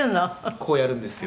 「こうやるんですよ。